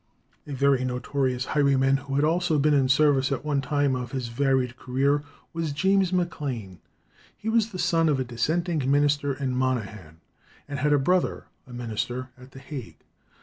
A very notorious highwayman, who had also been in service at one time of his varied career, was James Maclane. He was the son of a dissenting minister in Monaghan, and had a brother a minister at The Hague.